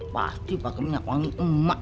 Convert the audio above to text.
pasti pakai minyak emak